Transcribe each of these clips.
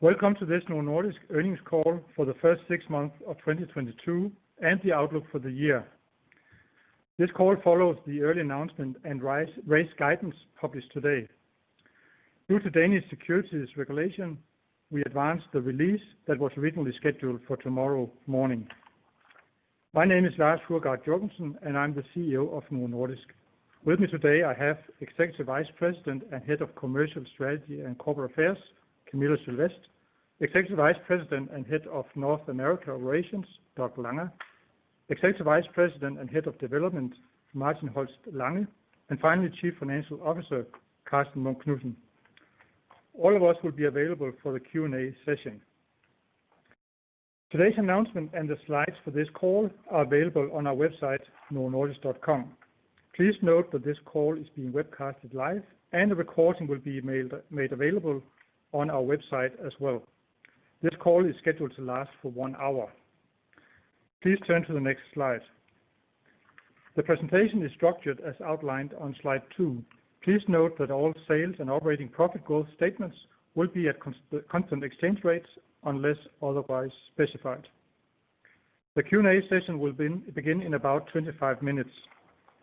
Welcome to this Novo Nordisk earnings call for the first six months of 2022 and the outlook for the year. This call follows the early announcement and raised guidance published today. Due to Danish securities regulation, we advanced the release that was originally scheduled for tomorrow morning. My name is Lars Fruergaard Jørgensen, and I'm the CEO of Novo Nordisk. With me today, I have Executive Vice President and Head of Commercial Strategy and Corporate Affairs, Camilla Sylvest, Executive Vice President and Head of North America Operations, Douglas Langa, Executive Vice President and Head of Development, Martin Holst Lange, and finally, Chief Financial Officer, Karsten Munk Knudsen. All of us will be available for the Q&A session. Today's announcement and the slides for this call are available on our website, novonordisk.com. Please note that this call is being webcast live, and a recording will be made available on our website as well. This call is scheduled to last for one hour. Please turn to the next slide. The presentation is structured as outlined on slide 2. Please note that all sales and operating profit growth statements will be at constant exchange rates unless otherwise specified. The Q&A session will begin in about 25 minutes.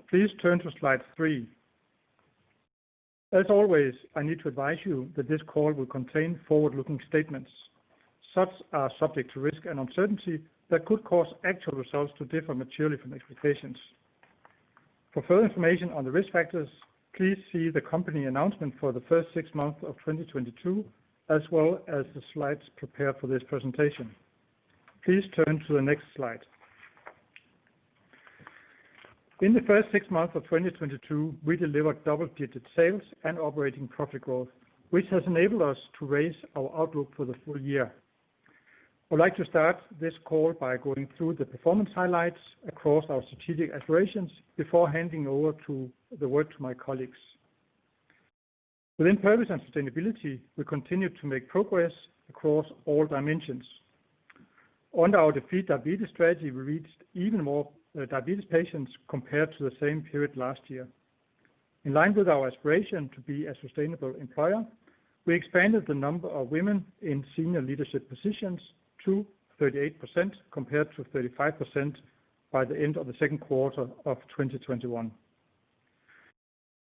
Please turn to slide 3. As always, I need to advise you that this call will contain forward-looking statements. Such are subject to risk and uncertainty that could cause actual results to differ materially from expectations. For further information on the risk factors, please see the company announcement for the first six months of 2022, as well as the slides prepared for this presentation. Please turn to the next slide. In the first six months of 2022, we delivered double-digit sales and operating profit growth, which has enabled us to raise our outlook for the full year. I would like to start this call by going through the performance highlights across our strategic aspirations before handing over to my colleagues. Within purpose and sustainability, we continue to make progress across all dimensions. Under our Defeat Diabetes strategy, we reached even more diabetes patients compared to the same period last year. In line with our aspiration to be a sustainable employer, we expanded the number of women in senior leadership positions to 38% compared to 35% by the end of the Q2 of 2021.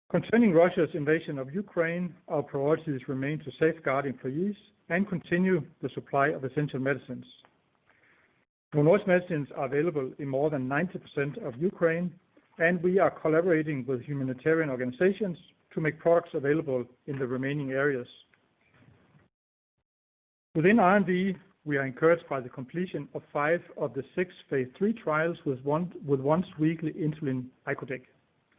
Concerning Russia's invasion of Ukraine, our priorities remain to safeguard employees and continue the supply of essential medicines. Novo Nordisk medicines are available in more than 90% of Ukraine, and we are collaborating with humanitarian organizations to make products available in the remaining areas. Within R&D, we are encouraged by the completion of 5 of the 6 phase 3 trials with once-weekly insulin icodec.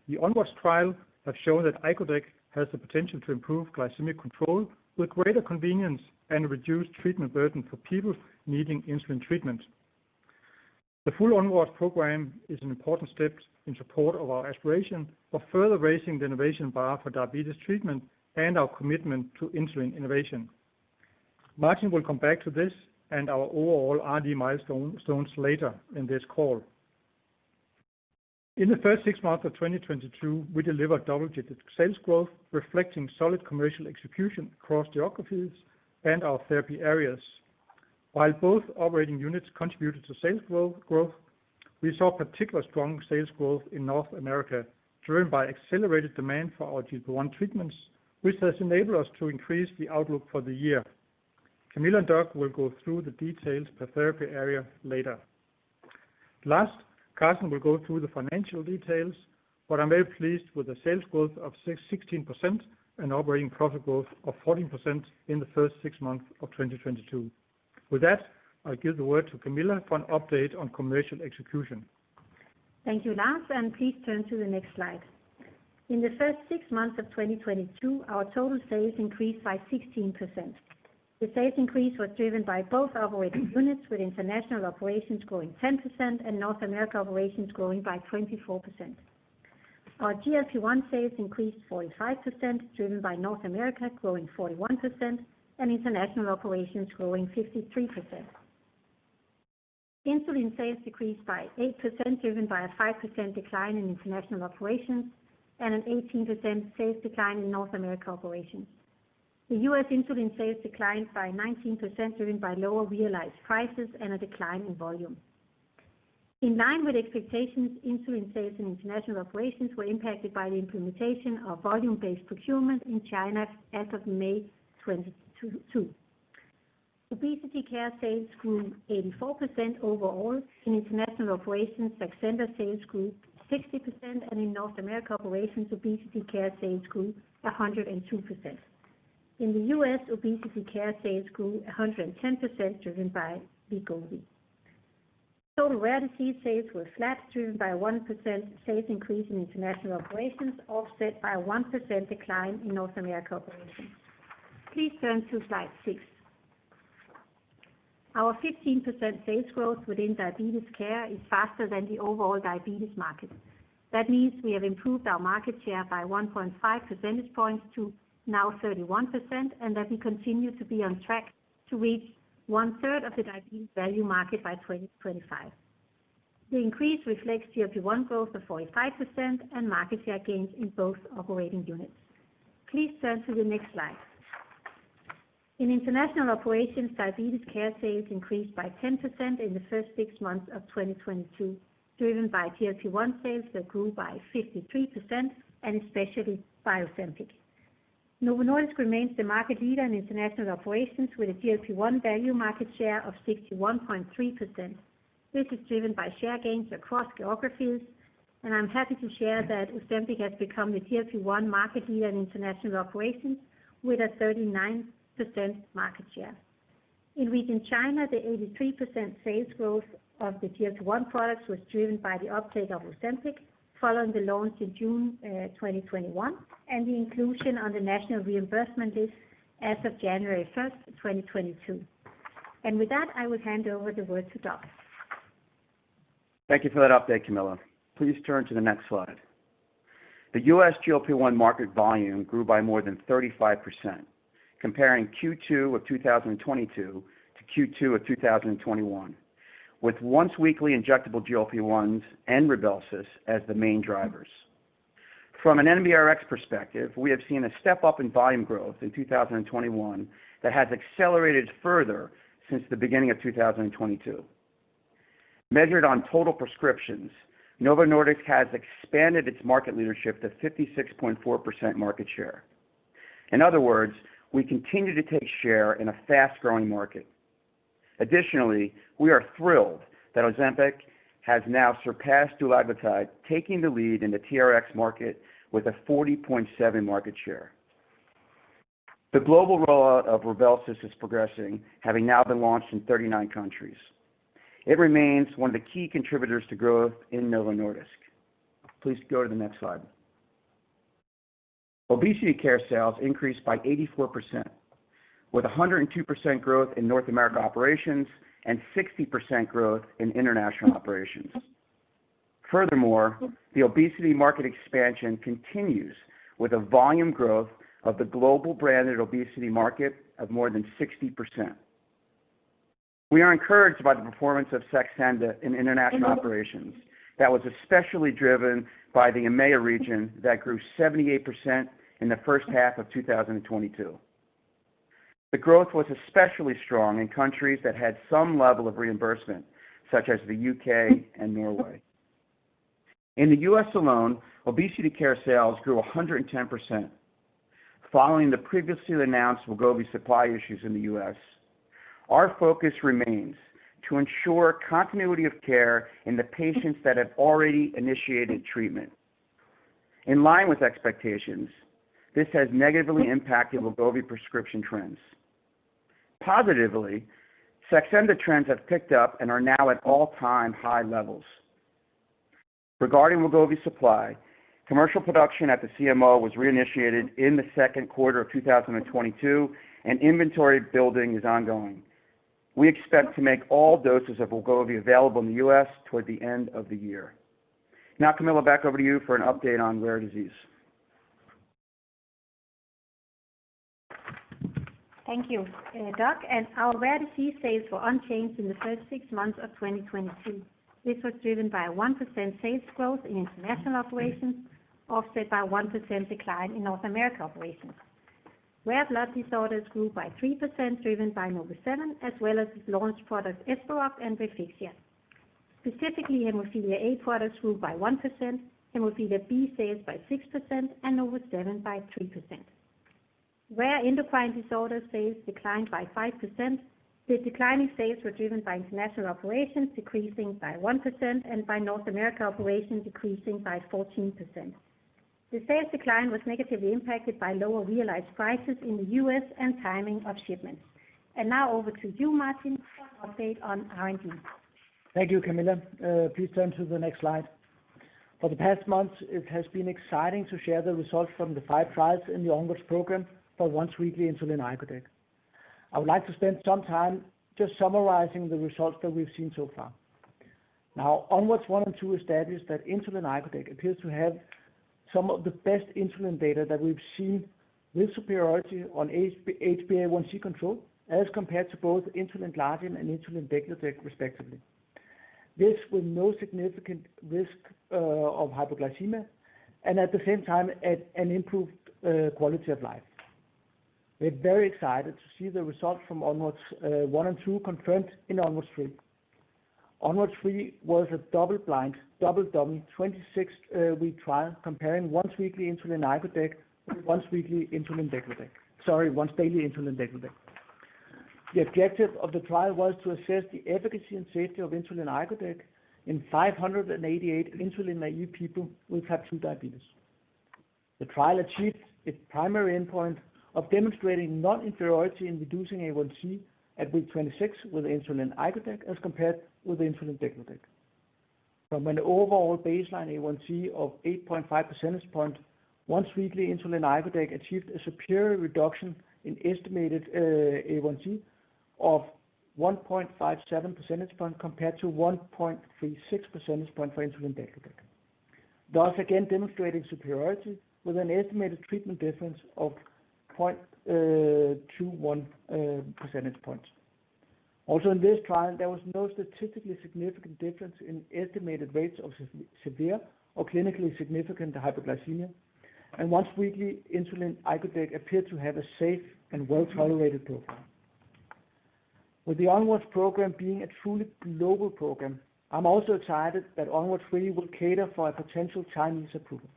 The ONWARDS trial have shown that icodec has the potential to improve glycemic control with greater convenience and reduced treatment burden for people needing insulin treatment. The full ONWARDS program is an important step in support of our aspiration for further raising the innovation bar for diabetes treatment and our commitment to insulin innovation. Martin will come back to this and our overall R&D milestones later in this call. In the first 6 months of 2022, we delivered double-digit sales growth, reflecting solid commercial execution across geographies and our therapy areas. While both operating units contributed to sales growth, we saw particularly strong sales growth in North America, driven by accelerated demand for our GLP-1 treatments, which has enabled us to increase the outlook for the year. Camilla and Doug will go through the details per therapy area later. Last, Karsten will go through the financial details, but I'm very pleased with the sales growth of 16% and operating profit growth of 14% in the first six months of 2022. With that, I give the word to Camilla for an update on commercial execution. Thank you, Lars, and please turn to the next slide. In the first six months of 2022, our total sales increased by 16%. The sales increase was driven by both operating units, with International Operations growing 10% and North America Operations growing by 24%. Our GLP-1 sales increased 45%, driven by North America growing 41% and International Operations growing 53%. Insulin sales decreased by 8%, driven by a 5% decline in International Operations and an 18% sales decline in North America Operations. The U.S. insulin sales declined by 19%, driven by lower realized prices and a decline in volume. In line with expectations, insulin sales in International Operations were impacted by the implementation of volume-based procurement in China as of May 2022. Obesity care sales grew 84% overall. In International Operations, Saxenda sales grew 60%, and in North America operations, obesity care sales grew 102%. In the US, obesity care sales grew 110%, driven by Wegovy. Total rare disease sales were flat, driven by a 1% sales increase in International Operations, offset by a 1% decline in North America operations. Please turn to slide six. Our 15% sales growth within diabetes care is faster than the overall diabetes market. That means we have improved our market share by 1.5 percentage points to now 31%, and that we continue to be on track to reach one-third of the diabetes value market by 2025. The increase reflects GLP-1 growth of 45% and market share gains in both operating units. Please turn to the next slide. In international operations, diabetes care sales increased by 10% in the first six months of 2022, driven by GLP-1 sales that grew by 53%, and especially by Ozempic. Novo Nordisk remains the market leader in international operations with a GLP-1 value market share of 61.3%. This is driven by share gains across geographies, and I'm happy to share that Ozempic has become the GLP-1 market leader in international operations with a 39% market share. In region China, the 83% sales growth of the GLP-1 products was driven by the uptake of Ozempic, following the launch in June 2021, and the inclusion on the national reimbursement list as of 1 January 2022. With that, I will hand over the word to Doug. Thank you for that update, Camilla. Please turn to the next slide. The US GLP-I market volume grew by more than 35%, comparing Q2 of 2022 to Q2 of 2021, with once-weekly injectable GLP-Is and Rybelsus as the main drivers. From an NBRX perspective, we have seen a step-up in volume growth in 2021 that has accelerated further since the beginning of 2022. Measured on total prescriptions, Novo Nordisk has expanded its market leadership to 56.4% market share. In other words, we continue to take share in a fast-growing market. Additionally, we are thrilled that Ozempic has now surpassed dulaglutide, taking the lead in the TRX market with a 40.7% market share. The global rollout of Rybelsus is progressing, having now been launched in 39 countries. It remains one of the key contributors to growth in Novo Nordisk. Please go to the next slide. Obesity care sales increased by 84%, with 102% growth in North America Operations and 60% growth in International Operations. Furthermore, the obesity market expansion continues with a volume growth of the global branded obesity market of more than 60%. We are encouraged by the performance of Saxenda in International Operations that was especially driven by the EMEA region that grew 78% in the H1 of 2022. The growth was especially strong in countries that had some level of reimbursement, such as the U.K. and Norway. In the U.S. alone, obesity care sales grew 110%. Following the previously announced Wegovy supply issues in the U.S., our focus remains to ensure continuity of care in the patients that have already initiated treatment. In line with expectations, this has negatively impacted Wegovy prescription trends. Positively, Saxenda trends have picked up and are now at all-time high levels. Regarding Wegovy supply, commercial production at the CMO was reinitiated in the Q2 of 2022, and inventory building is ongoing. We expect to make all doses of Wegovy available in the U.S. toward the end of the year. Now, Camilla, back over to you for an update on rare disease. Thank you, Doug. Our rare disease sales were unchanged in the first six months of 2022. This was driven by a 1% sales growth in International Operations, offset by a 1% decline in North America Operations. Rare blood disorders grew by 3%, driven by NovoSeven, as well as launch products Esperoct and Refixia. Specifically, hemophilia A products grew by 1%, hemophilia B sales by 6%, and NovoSeven by 3%. Rare endocrine disorder sales declined by 5%. The decline in sales were driven by International Operations decreasing by 1% and by North America Operations decreasing by 14%. The sales decline was negatively impacted by lower realized prices in the U.S. and timing of shipments. Now over to you, Martin, for an update on R&D. Thank you, Camilla. Please turn to the next slide. For the past months, it has been exciting to share the results from the 5 trials in the ONWARDS program for once-weekly insulin icodec. I would like to spend some time just summarizing the results that we've seen so far. Now, ONWARDS 1 and 2 established that insulin icodec appears to have some of the best insulin data that we've seen with superiority on HbA1c control, as compared to both insulin glargine and insulin degludec, respectively. This with no significant risk of hypoglycemia, and at the same time, an improved quality of life. We're very excited to see the results from ONWARDS 1 and 2 confirmed in ONWARDS 3. ONWARDS 3 was a double-blind, 26-week trial comparing once-weekly insulin icodec with once-daily insulin degludec. The objective of the trial was to assess the efficacy and safety of insulin icodec in 588 insulin naive people with type 2 diabetes. The trial achieved its primary endpoint of demonstrating non-inferiority in reducing HbA1c at week 26 with insulin icodec as compared with insulin degludec. From an overall baseline HbA1c of 8.5%, once-weekly insulin icodec achieved a superior reduction in estimated HbA1c of 1.57 percentage points compared to 1.36 percentage points for insulin degludec. Thus, again demonstrating superiority with an estimated treatment difference of 0.21 percentage points. Also in this trial, there was no statistically significant difference in estimated rates of severe or clinically significant hypoglycemia. Once-weekly insulin icodec appeared to have a safe and well-tolerated profile. With the ONWARDS program being a truly global program, I'm also excited that ONWARDS 3 will cater for a potential Chinese approval.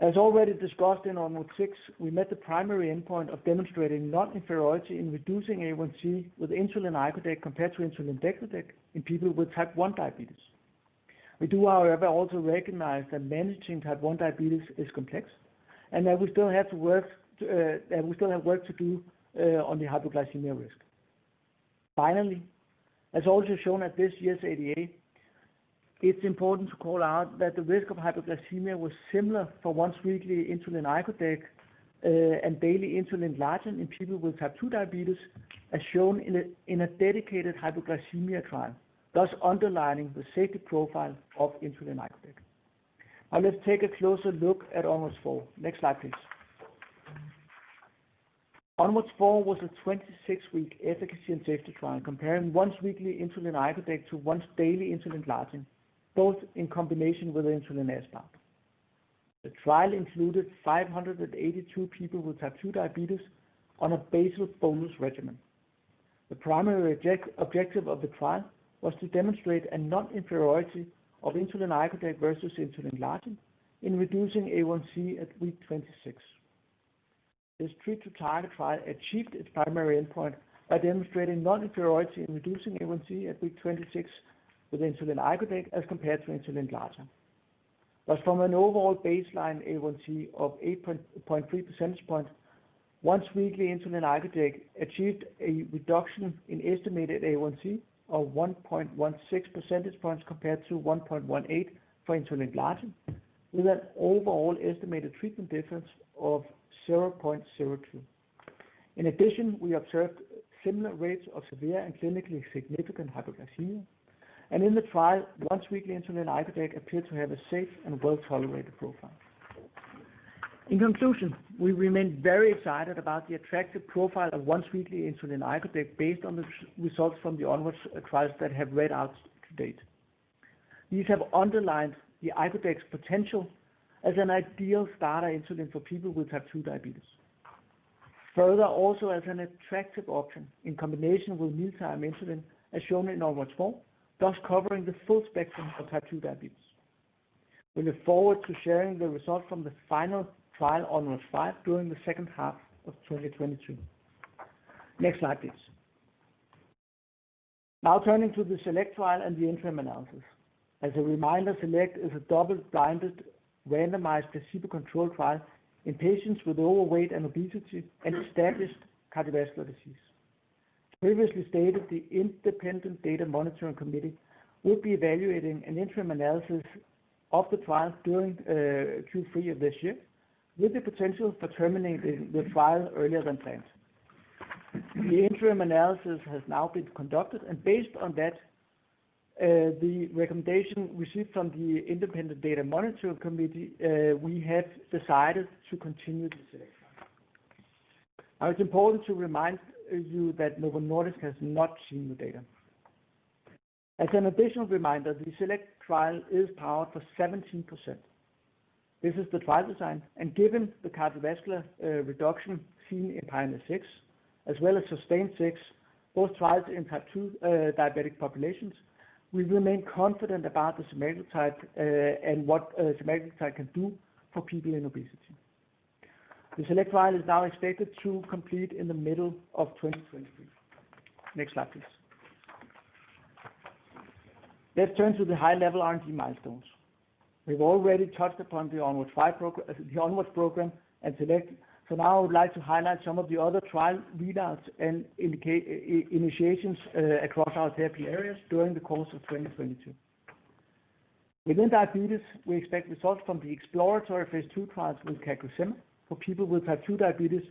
As already discussed in ONWARDS 6, we met the primary endpoint of demonstrating non-inferiority in reducing HbA1c with insulin icodec compared to insulin degludec in people with type 1 diabetes. We do, however, also recognize that managing type 1 diabetes is complex, and that we still have work to do on the hypoglycemia risk. Finally, as also shown at this year's ADA, it's important to call out that the risk of hypoglycemia was similar for once-weekly insulin icodec and daily insulin glargine in people with type 2 diabetes, as shown in a dedicated hypoglycemia trial, thus underlining the safety profile of insulin icodec. Now let's take a closer look at ONWARDS 4. Next slide, please. ONWARDS 4 was a 26-week efficacy and safety trial comparing once-weekly insulin icodec to once-daily insulin glargine, both in combination with insulin aspart. The trial included 582 people with type 2 diabetes on a basal-bolus regimen. The primary objective of the trial was to demonstrate a non-inferiority of insulin icodec versus insulin glargine in reducing HbA1c at week 26. This treat-to-target trial achieved its primary endpoint by demonstrating non-inferiority in reducing HbA1c at week 26 with insulin icodec as compared to insulin glargine. From an overall baseline HbA1c of 8.3 percentage points, once-weekly insulin icodec achieved a reduction in estimated HbA1c of 1.16 percentage points compared to 1.18 for insulin glargine, with an overall estimated treatment difference of 0.02. In addition, we observed similar rates of severe and clinically significant hypoglycemia. In the trial, once-weekly insulin icodec appeared to have a safe and well-tolerated profile. In conclusion, we remain very excited about the attractive profile of once-weekly insulin icodec based on the results from the ONWARDS trials that have read out to date. These have underlined the icodec's potential as an ideal starter insulin for people with type 2 diabetes. Further, also as an attractive option in combination with mealtime insulin, as shown in ONWARDS 4, thus covering the full spectrum of type 2 diabetes. We look forward to sharing the results from the final trial, ONWARDS 5, during the H2 of 2022. Next slide, please. Now turning to the SELECT trial and the interim analysis. As a reminder, SELECT is a double-blind randomized placebo-controlled trial in patients with overweight and obesity and established cardiovascular disease. Previously stated, the independent data monitoring committee will be evaluating an interim analysis of the trial during Q3 of this year, with the potential for terminating the trial earlier than planned. The interim analysis has now been conducted, and based on that, the recommendation received from the independent data monitoring committee, we have decided to continue the SELECT trial. Now it's important to remind you that Novo Nordisk has not seen the data. As an additional reminder, the SELECT trial is powered for 17%. This is the trial design, and given the cardiovascular reduction seen in PIONEER 6, as well as SUSTAIN 6, both trials in type 2 diabetic populations, we remain confident about the semaglutide and what semaglutide can do for people in obesity. The SELECT trial is now expected to complete in the middle of 2023. Next slide, please. Let's turn to the high-level R&D milestones. We've already touched upon the ONWARDS program and SELECT, so now I would like to highlight some of the other trial readouts and indication initiations across our therapy areas during the course of 2022. Within diabetes, we expect results from the exploratory phase 2 trials with CagriSema for people with type 2 diabetes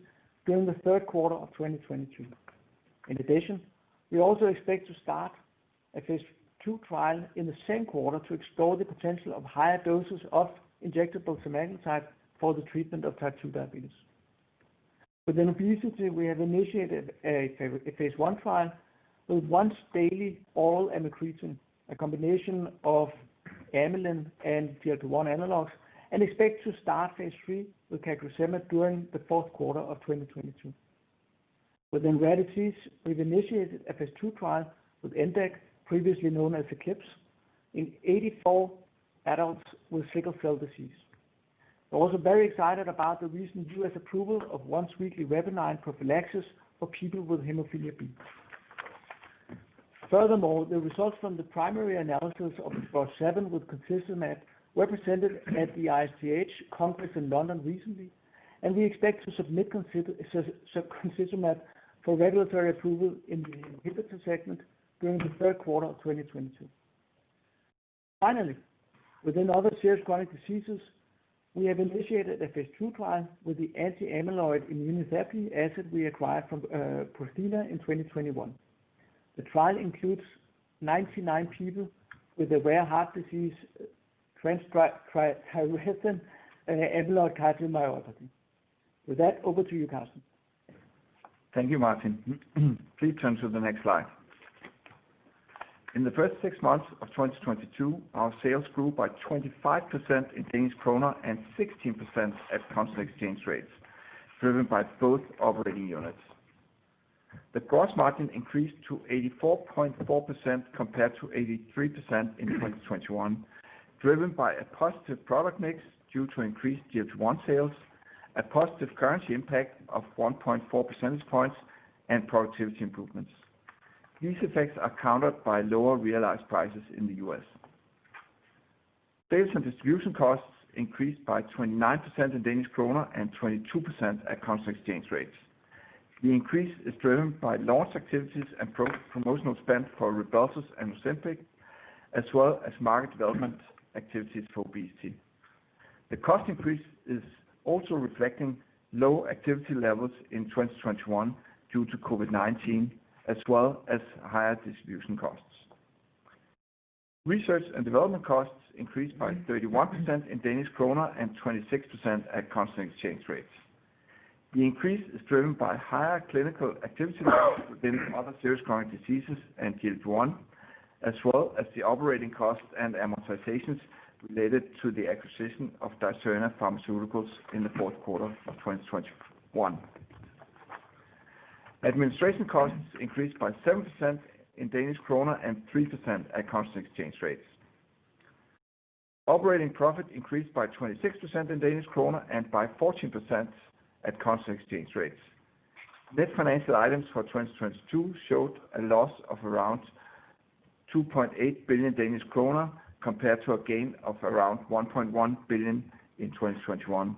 during the Q3 of 2022. In addition, we also expect to start a phase 2 trial in the same quarter to explore the potential of higher doses of injectable semaglutide for the treatment of type 2 diabetes. Within obesity, we have initiated a phase 1 trial with once-daily oral amycretin, a combination of amylin and GLP-1 analogs, and expect to start phase 3 with CagriSema during the Q4 of 2022. Within rare disease, we've initiated a phase 2 trial with etavopivat, previously known as Ekilps, in 84 adults with sickle cell disease. We're also very excited about the recent U.S. approval of once-weekly Rebinyn prophylaxis for people with hemophilia B. Furthermore, the results from the primary analysis of explorer7 with concizumab were presented at the ISTH Congress in London recently, and we expect to submit concizumab for regulatory approval in the inhibitor segment during the Q3 of 2022. Finally, within other serious chronic diseases, we have initiated a phase 2 trial with the anti-amyloid immunotherapy asset we acquired from Prothena in 2021. The trial includes 99 people with a rare heart disease, transthyretin amyloid cardiomyopathy. With that, over to you, Karsten Munk Knudsen. Thank you, Martin. Please turn to the next slide. In the first six months of 2022, our sales grew by 25% in DKK and 16% at constant exchange rates, driven by both operating units. The gross margin increased to 84.4% compared to 83% in 2021, driven by a positive product mix due to increased GLP-1 sales, a positive currency impact of 1.4 percentage points, and productivity improvements. These effects are countered by lower realized prices in the U.S. Sales and distribution costs increased by 29% in DKK and 22% at constant exchange rates. The increase is driven by launch activities and pre-promotional spend for Rybelsus and Ozempic, as well as market development activities for obesity. The cost increase is also reflecting low activity levels in 2021 due to COVID-19, as well as higher distribution costs. Research and development costs increased by 31% in Danish kroner and 26% at constant exchange rates. The increase is driven by higher clinical activity within other serious chronic diseases and GLP-1, as well as the operating costs and amortizations related to the acquisition of Dicerna Pharmaceuticals in the Q4 of 2021. Administration costs increased by 7% in Danish kroner and 3% at constant exchange rates. Operating profit increased by 26% in Danish kroner and by 14% at constant exchange rates. Net financial items for 2022 showed a loss of around 2.8 billion Danish kroner compared to a gain of around 1.1 billion in 2021.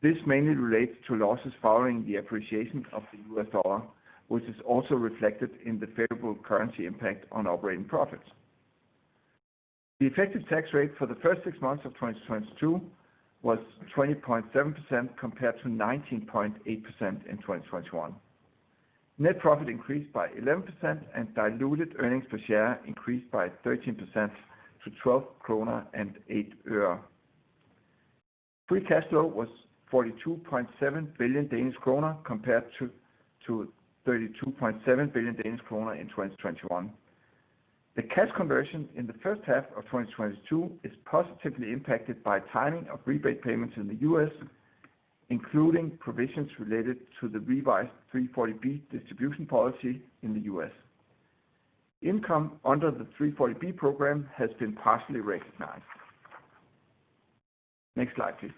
This mainly relates to losses following the appreciation of the US dollar, which is also reflected in the favorable currency impact on operating profits. The effective tax rate for the first six months of 2022 was 20.7% compared to 19.8% in 2021. Net profit increased by 11%, and diluted earnings per share increased by 13% to DKK 12.08. Free cash flow was 42.7 billion Danish krone compared to 32.7 billion Danish krone in 2021. The cash conversion in the H1 of 2022 is positively impacted by timing of rebate payments in the U.S., including provisions related to the revised 340B distribution policy in the U.S. Income under the 340B program has been partially recognized. Next slide, please.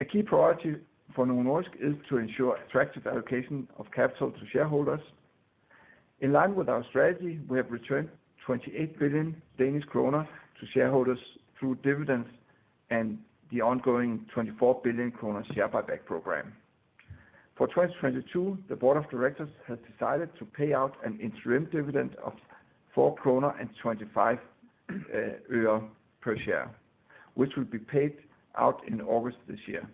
A key priority for Novo Nordisk is to ensure attractive allocation of capital to shareholders. In line with our strategy, we have returned 28 billion Danish kroner to shareholders through dividends and the ongoing 24 billion kroner share buyback program. For 2022, the board of directors has decided to pay out an interim dividend of 4.25 krone per share, which will be paid out in August this year.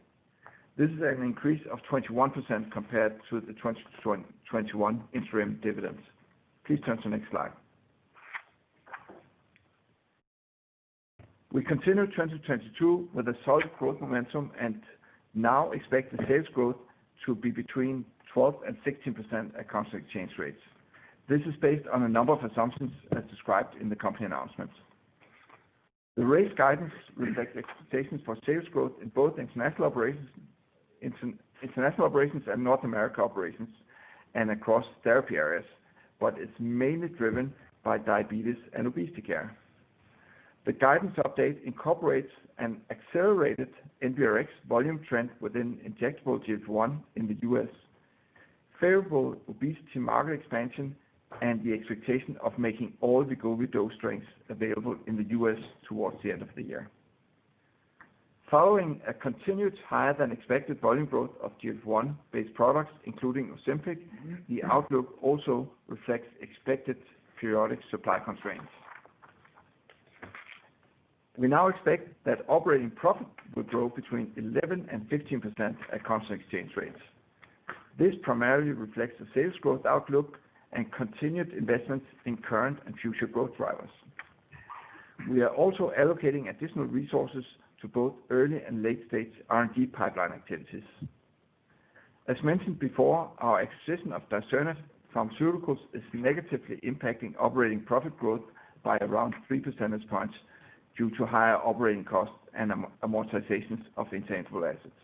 This is an increase of 21% compared to the 2021 interim dividends. Please turn to next slide. We continue 2022 with a solid growth momentum and now expect the sales growth to be between 12 to 16% at constant exchange rates. This is based on a number of assumptions as described in the company announcements. The raised guidance reflects expectations for sales growth in both International Operations and North America Operations and across therapy areas, but it's mainly driven by diabetes and obesity care. The guidance update incorporates an accelerated NBRX volume trend within injectable GLP-1 in the U.S., favorable obesity market expansion, and the expectation of making all the Wegovy dose strengths available in the U.S. towards the end of the year. Following a continued higher than expected volume growth of GLP-1-based products, including Ozempic, the outlook also reflects expected periodic supply constraints. We now expect that operating profit will grow between 11% and 15% at constant exchange rates. This primarily reflects the sales growth outlook and continued investments in current and future growth drivers. We are also allocating additional resources to both early and late-stage R&D pipeline activities. As mentioned before, our acquisition of Dicerna Pharmaceuticals is negatively impacting operating profit growth by around 3 percentage points due to higher operating costs and amortizations of intangible assets.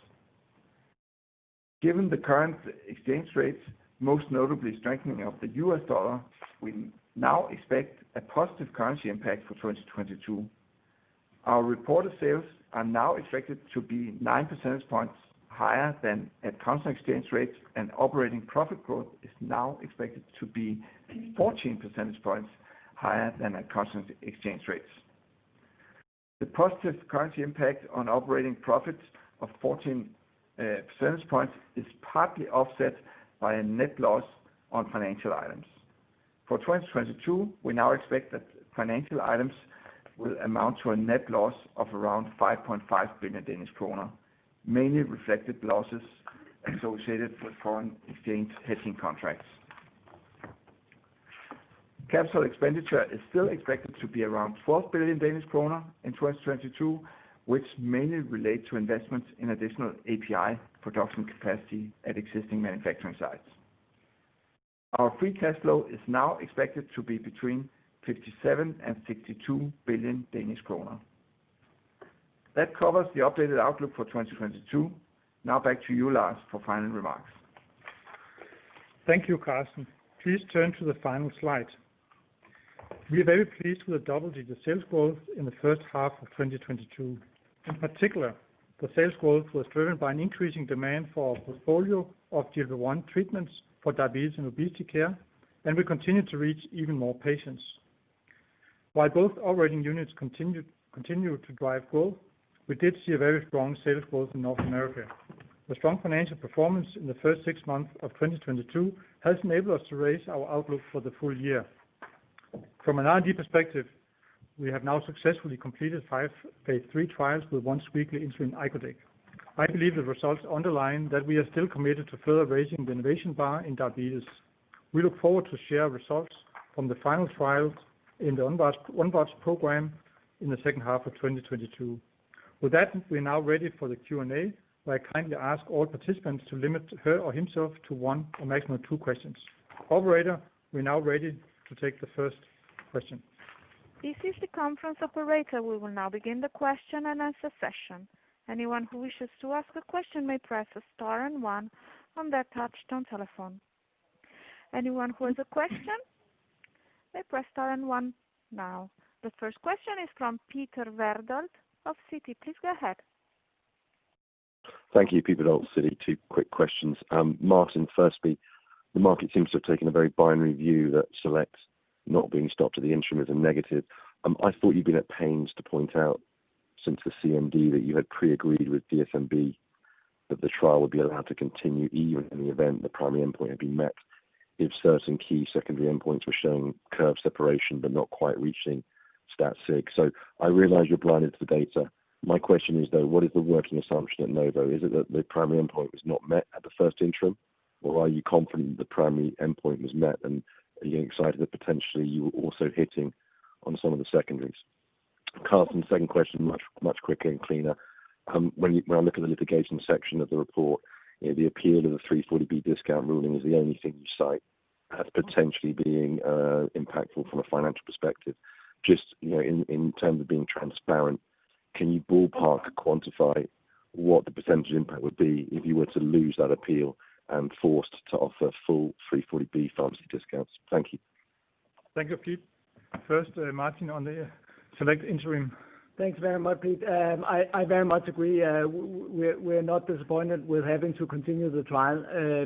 Given the current exchange rates, most notably strengthening of the US dollar, we now expect a positive currency impact for 2022. Our reported sales are now expected to be 9 percentage points higher than at constant exchange rates, and operating profit growth is now expected to be 14 percentage points higher than at constant exchange rates. The positive currency impact on operating profits of 14 percentage points is partly offset by a net loss on financial items. For 2022, we now expect that financial items will amount to a net loss of around 5.5 billion Danish kroner, mainly reflected losses associated with foreign exchange hedging contracts. Capital expenditure is still expected to be around 12 billion Danish kroner in 2022, which mainly relate to investments in additional API production capacity at existing manufacturing sites. Our free cash flow is now expected to be between 57 billion and 62 billion Danish kroner. That covers the updated outlook for 2022. Now back to you, Lars, for final remarks. Thank you, Karsten. Please turn to the final slide. We are very pleased with the double-digit sales growth in the H1 of 2022. In particular, the sales growth was driven by an increasing demand for our portfolio of GLP-1 treatments for diabetes and obesity care, and we continue to reach even more patients. While both operating units continued to drive growth, we did see a very strong sales growth in North America. The strong financial performance in the first six months of 2022 has enabled us to raise our outlook for the full year. From an R&D perspective, we have now successfully completed five phase 3 trials with once-weekly insulin icodec. I believe the results underline that we are still committed to further raising the innovation bar in diabetes. We look forward to share results from the final trials in the ONWARDS program in the H2 of 2022. With that, we are now ready for the Q&A, where I kindly ask all participants to limit her or himself to one or maximum two questions. Operator, we're now ready to take the first question. This is the conference operator. We will now begin the question-and-answer session. Anyone who wishes to ask a question may press star and one on their touch-tone telephone. Anyone who has a question may press star and one now. The first question is from Peter Verdult of Citi. Please go ahead. Thank you. Peter Verdult, Citi. Two quick questions. Martin, firstly, the market seems to have taken a very binary view that SELECT not being stopped at the interim is a negative. I thought you'd been at pains to point out since the CMD that you had pre-agreed with DSMB that the trial would be allowed to continue even in the event the primary endpoint had been met if certain key secondary endpoints were showing curve separation but not quite reaching stat sig. I realize you're blind to the data. My question is, though, what is the working assumption at Novo? Is it that the primary endpoint was not met at the first interim, or are you confident the primary endpoint was met, and are you excited that potentially you were also hitting on some of the secondaries? Karsten, second question, much, much quicker and cleaner. When I look at the litigation section of the report, you know, the appeal of the 340B discount ruling is the only thing you cite as potentially being impactful from a financial perspective. Just, you know, in terms of being transparent, can you ballpark quantify what the percentage impact would be if you were to lose that appeal and forced to offer full 340B pharmacy discounts? Thank you. Thank you, Peter. First, Martin, on the SELECT interim. Thanks very much, Pete. I very much agree. We're not disappointed with having to continue the trial,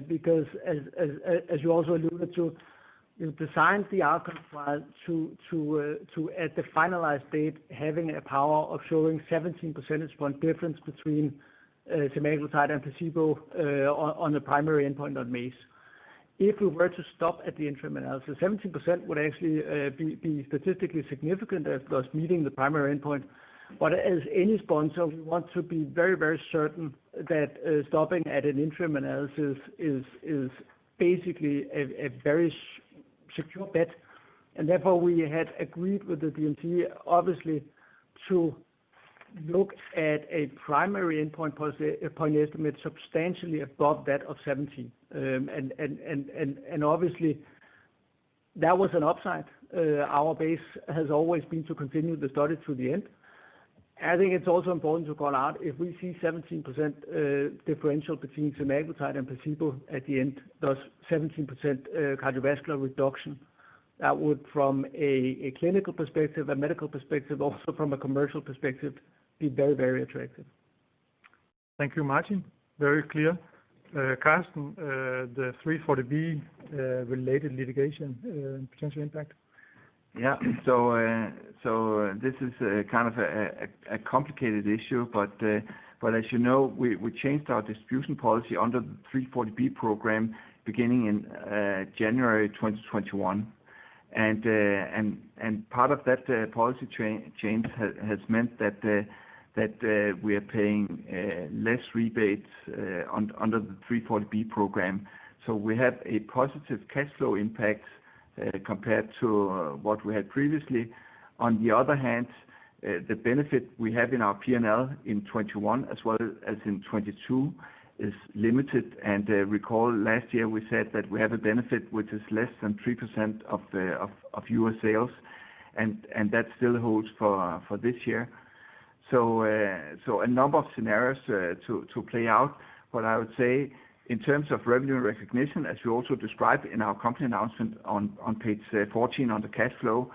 because as you also alluded to, we've designed the outcome trial to at the finalized date, having a power of showing 17 percentage point difference between semaglutide and placebo, on the primary endpoint on MACE. If we were to stop at the interim analysis, 17% would actually be statistically significant, thus meeting the primary endpoint. As any sponsor, we want to be very, very certain that stopping at an interim analysis is basically a very secure bet. Therefore, we had agreed with the DMC obviously to look at a primary endpoint point estimate substantially above that of 17. Obviously, that was an upside. Our base has always been to continue the study through the end. I think it's also important to call out if we see 17% differential between semaglutide and placebo at the end, thus 17% cardiovascular reduction, that would from a clinical perspective, a medical perspective, also from a commercial perspective, be very, very attractive. Thank you, Martin. Very clear. Karsten, the 340B-related litigation and potential impact? Yeah. This is kind of a complicated issue. As you know, we changed our distribution policy under the 340B program beginning in January 2021. Part of that policy change has meant that we are paying less rebates under the 340B program. We have a positive cash flow impact compared to what we had previously. On the other hand, the benefit we have in our P&L in 2021 as well as in 2022 is limited. Recall last year we said that we have a benefit which is less than 3% of U.S. sales, and that still holds for this year. A number of scenarios to play out. I would say in terms of revenue recognition, as we also described in our company announcement on page 14 on the cash flow,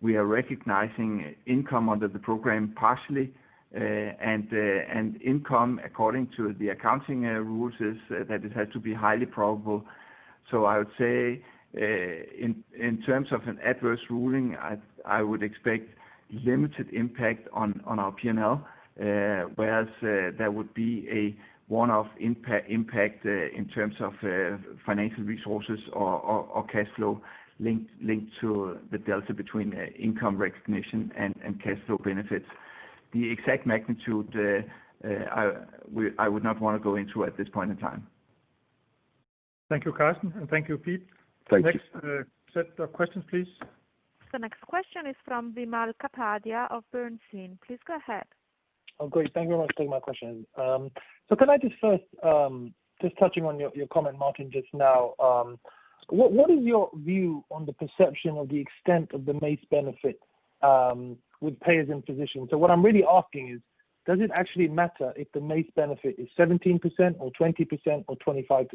we are recognizing income under the program partially. Income according to the accounting rules is that it has to be highly probable. I would say, in terms of an adverse ruling, I would expect limited impact on our P&L, whereas there would be a one-off impact in terms of financial resources or cash flow linked to the delta between income recognition and cash flow benefits. The exact magnitude, I would not wanna go into at this point in time. Thank you, Karsten, and thank you, Peter. Thank you. Next, set of questions, please. The next question is from Vimal Kapadia of Bernstein. Please go ahead. Oh, great. Thank you very much for taking my question. Can I just first just touching on your comment, Martin, just now, what is your view on the perception of the extent of the MACE benefit with payers and physicians? What I'm really asking is, does it actually matter if the MACE benefit is 17% or 20% or 25%?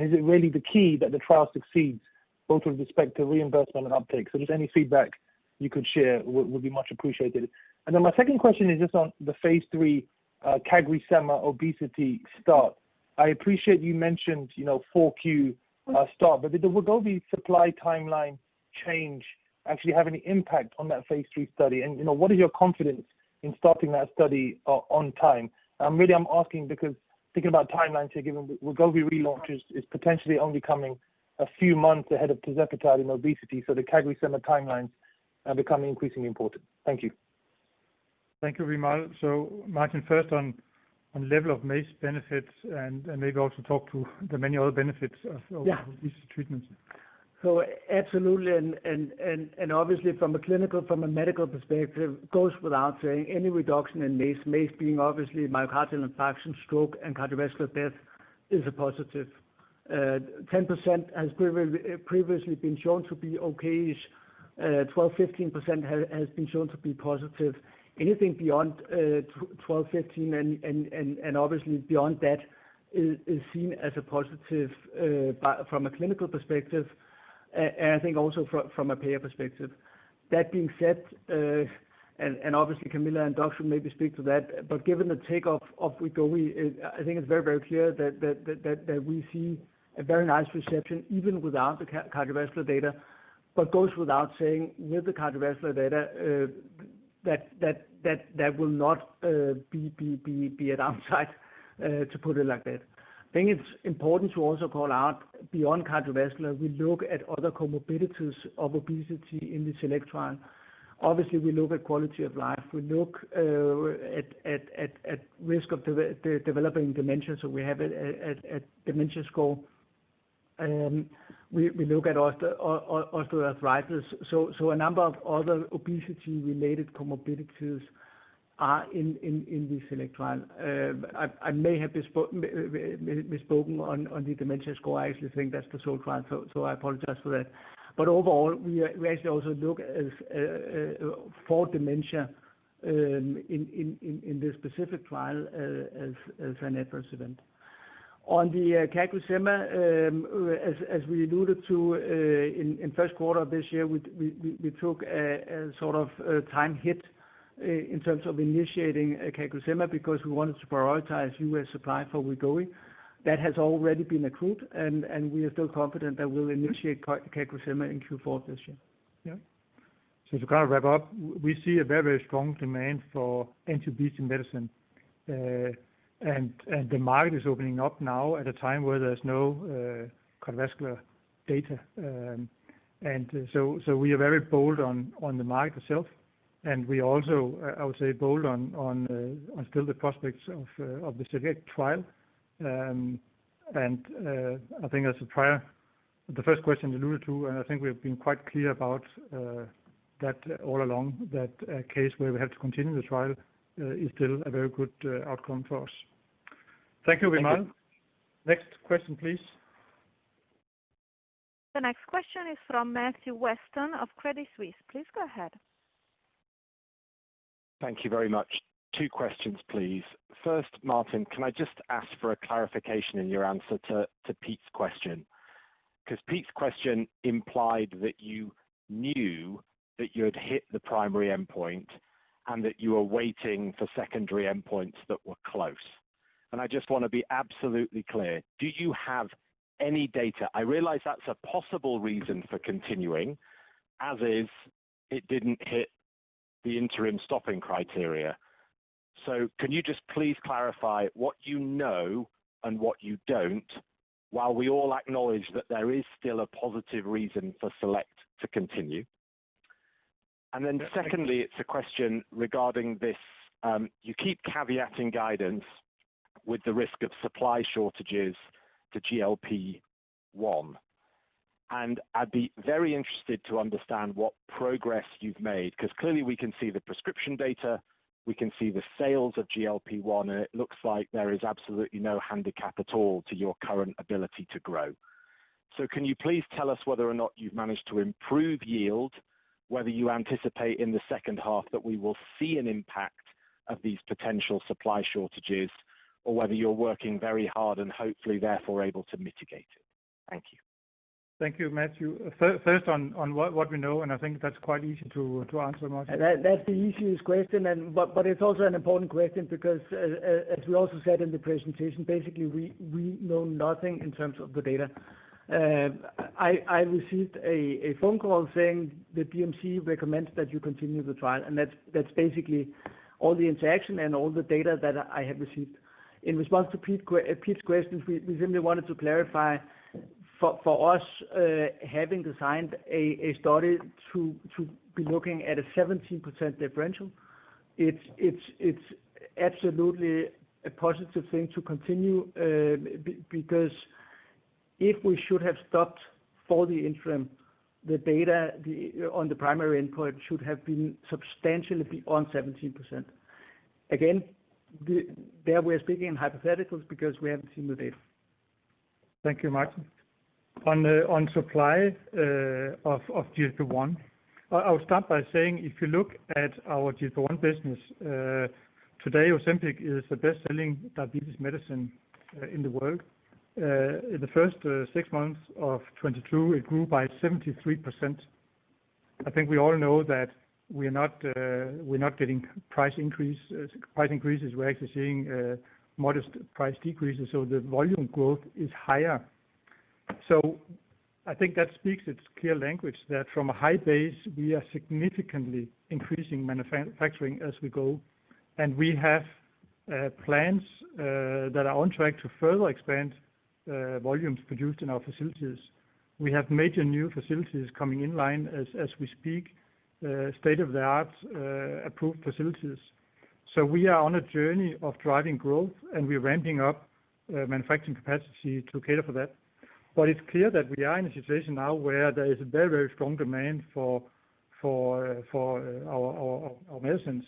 Is it really the key that the trial succeeds both with respect to reimbursement and uptake? Just any feedback you could share would be much appreciated. My second question is just on the phase 3 CagriSema obesity start. I appreciate you mentioned, you know, Q4 start, but did the Wegovy supply timeline change actually have any impact on that phase 3 study? You know, what is your confidence in starting that study on time? Really, I'm asking because thinking about timelines here, given Wegovy relaunch is potentially only coming a few months ahead of tirzepatide in obesity, so the CagriSema timelines are becoming increasingly important. Thank you. Thank you, Vimal. Martin, first on level of MACE benefits and maybe also talk to the many other benefits of these treatments. Absolutely, and obviously from a medical perspective, goes without saying any reduction in MACE being obviously myocardial infarction, stroke, and cardiovascular death is a positive. 10% has previously been shown to be okay is. 12%, 15% has been shown to be positive. Anything beyond twelve, fifteen and obviously beyond that is seen as a positive from a clinical perspective, and I think also from a payer perspective. That being said, and obviously Camilla and Doug should maybe speak to that, but given the take of Wegovy, I think it's very, very clear that we see a very nice reception even without the cardiovascular data, but goes without saying with the cardiovascular data, that will not be a downside, to put it like that. I think it's important to also call out beyond cardiovascular, we look at other comorbidities of obesity in this SELECT trial. Obviously, we look at quality of life. We look at risk of developing dementia, so we have a dementia score. We look at arthritis. So a number of other obesity-related comorbidities are in this SELECT trial. I may have misspoken on the dementia score. I actually think that's the SOUL trial. I apologize for that. Overall, we actually also look for dementia in this specific trial as an adverse event. On the CagriSema, as we alluded to, in Q1 of this year, we took a sort of a time hit in terms of initiating CagriSema because we wanted to prioritize U.S. supply for Wegovy. That has already been accrued, and we are still confident that we'll initiate CagriSema in Q4 this year. Yeah. To kind of wrap up, we see a very strong demand for anti-obesity medicine. The market is opening up now at a time where there's no cardiovascular data. We are very bold on the market itself. We also I would say bold on still the prospects of the SELECT trial. I think the first question you alluded to, and I think we've been quite clear about that all along, that a case where we have to continue the trial is still a very good outcome for us. Thank you, Vimal. Next question, please. The next question is from Matthew Weston of Credit Suisse. Please go ahead. Thank you very much. Two questions, please. First, Martin, can I just ask for a clarification in your answer to Pete's question? Cause Pete's question implied that you knew that you had hit the primary endpoint and that you were waiting for secondary endpoints that were close. I just wanna be absolutely clear, do you have any data? I realize that's a possible reason for continuing, as is, it didn't hit the interim stopping criteria. Can you just please clarify what you know and what you don't, while we all acknowledge that there is still a positive reason for SELECT to continue? Then secondly, it's a question regarding this, you keep caveating guidance with the risk of supply shortages to GLP-1. I'd be very interested to understand what progress you've made, cause clearly, we can see the prescription data, we can see the sales of GLP-1, and it looks like there is absolutely no handicap at all to your current ability to grow. Can you please tell us whether or not you've managed to improve yield, whether you anticipate in the H2 that we will see an impact of these potential supply shortages, or whether you're working very hard and hopefully therefore able to mitigate it? Thank you. Thank you, Matthew. First on what we know, and I think that's quite easy to answer, Martin. That's the easiest question, but it's also an important question because, as we also said in the presentation, basically we know nothing in terms of the data. I received a phone call saying the DMC recommends that you continue the trial, and that's basically all the interaction and all the data that I have received. In response to Pete's questions, we simply wanted to clarify for us having designed a study to be looking at a 17% differential, it's absolutely a positive thing to continue because if we should have stopped for the interim, the data on the primary endpoint should have been substantially beyond 17%. Again, there we're speaking in hypotheticals because we haven't seen the data. Thank you, Martin. On supply of GLP-1, I'll start by saying if you look at our GLP-1 business, today Ozempic is the best-selling diabetes medicine in the world. In the first six months of 2022, it grew by 73%. I think we all know that we're not getting price increases. We're actually seeing modest price decreases, so the volume growth is higher. I think that speaks for itself that from a high base, we are significantly increasing manufacturing as we go. We have plans that are on track to further expand volumes produced in our facilities. We have major new facilities coming in line as we speak, state-of-the-art approved facilities. We are on a journey of driving growth, and we're ramping up manufacturing capacity to cater for that. It's clear that we are in a situation now where there is a very strong demand for our medicines.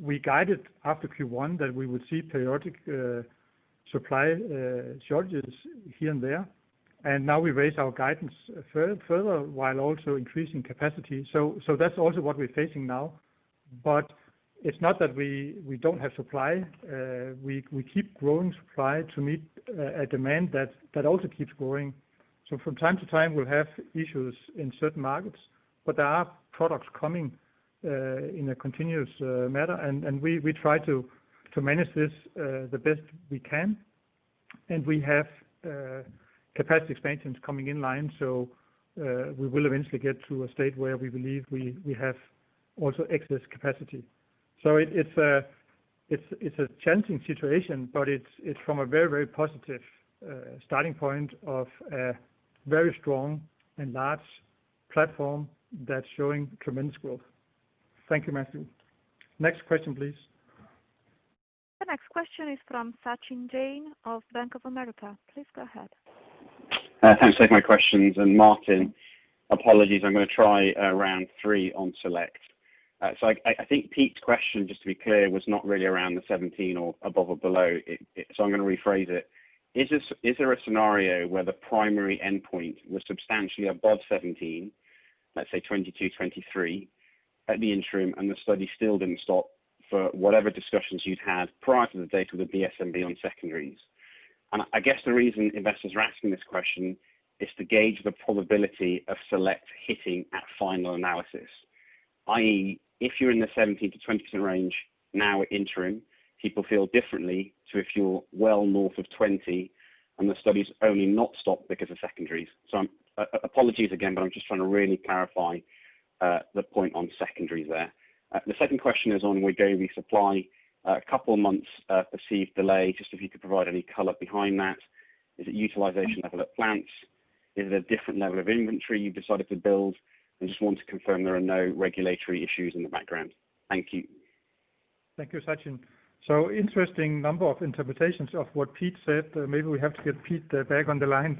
We guided after Q1 that we would see periodic supply shortages here and there, and now we raise our guidance further while also increasing capacity. That's also what we're facing now. It's not that we don't have supply. We keep growing supply to meet a demand that also keeps growing. From time to time, we'll have issues in certain markets, but there are products coming in a continuous manner, and we try to manage this the best we can. We have capacity expansions coming in line. We will eventually get to a state where we believe we have also excess capacity. It's a challenging situation, but it's from a very, very positive starting point of a very strong and large platform that's showing tremendous growth. Thank you, Matthew. Next question, please. The next question is from Sachin Jain of Bank of America. Please go ahead. Thanks for taking my questions, and Martin, apologies, I'm gonna try round three on SELECT. So, I think Pete's question, just to be clear, was not really around the 17 or above or below. So, I'm gonna rephrase it. Is there a scenario where the primary endpoint was substantially above 17, let's say 22-23, at the interim, and the study still didn't stop for whatever discussions you'd had prior to the date of the DSMB and beyond secondaries? I guess the reason investors are asking this question is to gauge the probability of SELECT hitting at final analysis, i.e., if you're in the 17 to 20% range now at interim, people feel differently to if you're well north of 20 and the studies only not stopped because of secondaries. Apologies again, but I'm just trying to really clarify the point on secondaries there. The second question is on Wegovy supply. A couple of months perceived delay, just if you could provide any color behind that. Is it utilization level at plants? Is it a different level of inventory you've decided to build? I just want to confirm there are no regulatory issues in the background. Thank you. Thank you, Sachin. Interesting number of interpretations of what Pete said. Maybe we have to get Pete back on the line.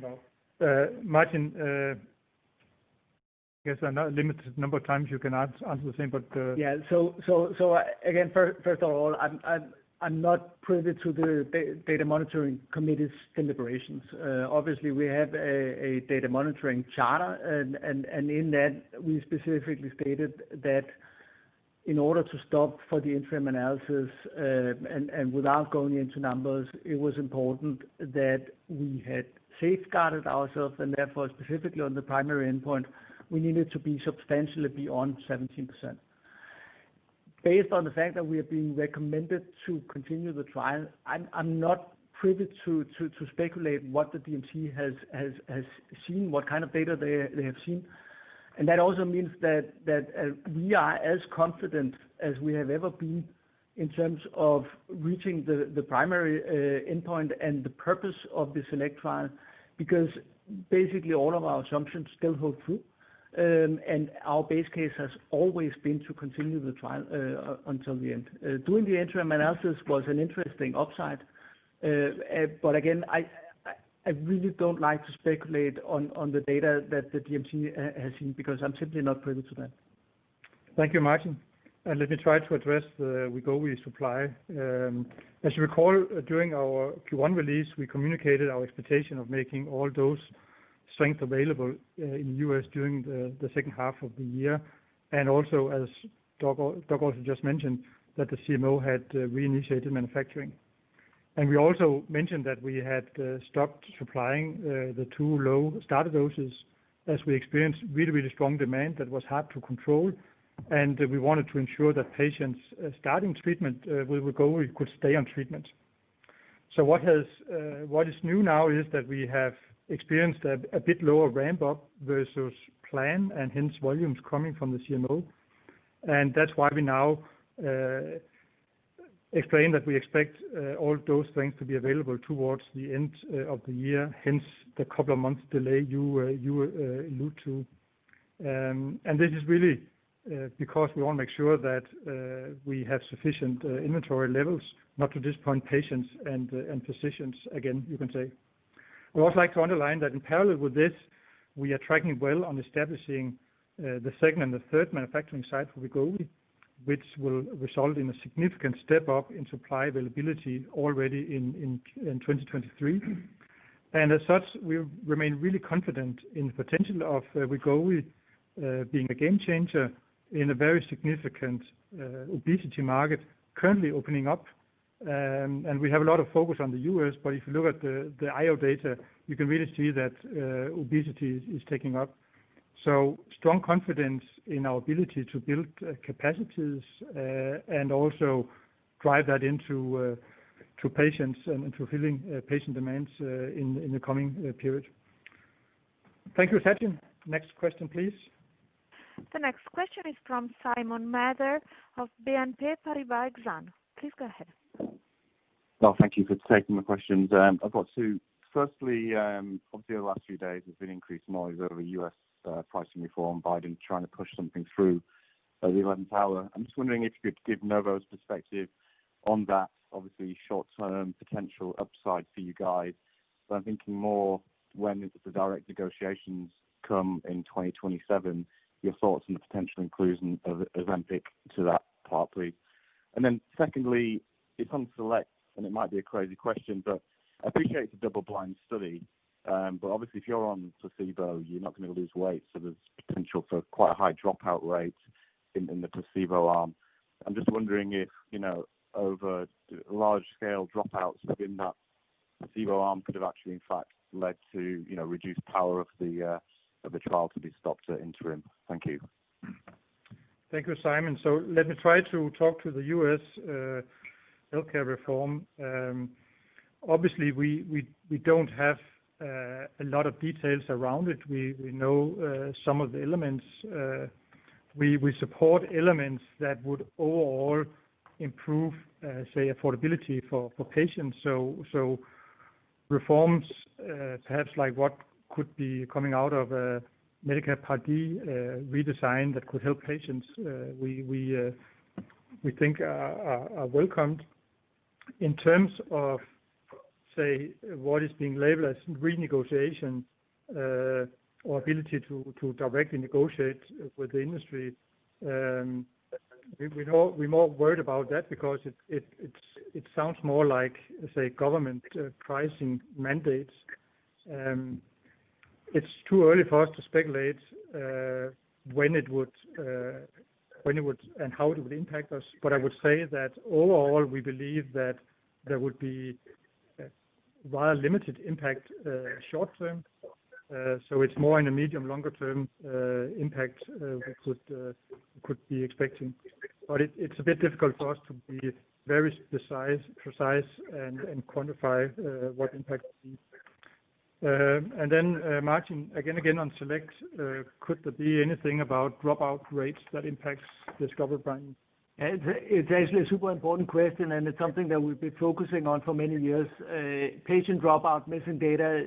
No. Martin, I guess a limited number of times you can answer the same, but, Yeah. Again, first of all, I'm not privy to the data monitoring committee's deliberations. Obviously we have a data monitoring charter and in that we specifically stated that in order to stop for the interim analysis, and without going into numbers, it was important that we had safeguarded ourselves and therefore specifically on the primary endpoint, we needed to be substantially beyond 17%. Based on the fact that we are being recommended to continue the trial, I'm not privy to speculate what the DMC has seen, what kind of data they have seen. That also means that we are as confident as we have ever been in terms of reaching the primary endpoint and the purpose of the SELECT trial, because basically all of our assumptions still hold true. Our base case has always been to continue the trial until the end. Doing the interim analysis was an interesting upside. Again, I really don't like to speculate on the data that the DMC has seen because I'm simply not privy to that. Thank you, Martin. Let me try to address the Wegovy supply. As you recall, during our Q1 release, we communicated our expectation of making all those strengths available in the U.S. during the H2 of the year, and also as Doug Langer just mentioned that the CMO had reinitiated manufacturing. We also mentioned that we had stopped supplying the two low starter doses as we experienced really strong demand that was hard to control, and we wanted to ensure that patients starting treatment with Wegovy could stay on treatment. What is new now is that we have experienced a bit lower ramp up versus plan, and hence volumes coming from the CMO. That's why we now explain that we expect all those things to be available towards the end of the year, hence the couple of months delay you allude to. This is really because we wanna make sure that we have sufficient inventory levels not to disappoint patients and physicians again, you can say. We'd also like to underline that in parallel with this, we are tracking well on establishing the second and the third manufacturing site for Wegovy, which will result in a significant step up in supply availability already in 2023. As such, we remain really confident in the potential of Wegovy being a game changer in a very significant obesity market currently opening up. We have a lot of focus on the U.S., but if you look at the IO data, you can really see that obesity is ticking up. Strong confidence in our ability to build capacities and also drive that into to patients and to filling patient demands in the coming period. Thank you, Sachin. Next question, please. The next question is from Simon Mather of BNP Paribas Exane. Please go ahead. Well, thank you for taking the questions. I've got two. Firstly, obviously in the last few days there's been increased noise over U.S. pricing reform, Biden trying to push something through at the eleventh hour. I'm just wondering if you could give Novo's perspective on that, obviously short-term potential upside for you guys. But I'm thinking more when the direct negotiations come in 2027, your thoughts on the potential inclusion of Ozempic to that partly. And then secondly, it's on SELECT, and it might be a crazy question, but I appreciate it's a double-blind study, but obviously if you're on placebo, you're not gonna lose weight, so there's potential for quite a high dropout rate in the placebo arm. I'm just wondering if, you know, overall large-scale dropouts within that placebo arm could have actually in fact led to, you know, reduced power of the trial to be stopped at interim. Thank you. Thank you, Simon. Let me try to talk to the U.S. healthcare reform. Obviously we don't have a lot of details around it. We know some of the elements. We support elements that would overall improve say affordability for patients. Reforms perhaps like what could be coming out of Medicare Part D redesign that could help patients, we think are welcomed. In terms of say what is being labeled as renegotiation or ability to directly negotiate with the industry, we're more worried about that because it sounds more like say government pricing mandates. It's too early for us to speculate when it would and how it would impact us. I would say that overall, we believe that there would be while limited impact short term, so it's more in a medium longer-term impact we could be expecting. It's a bit difficult for us to be very precise and quantify what impact it would be. Martin, again on SELECT, could there be anything about dropout rates that impacts discovered findings? It's actually a super important question, and it's something that we've been focusing on for many years. Patient dropout missing data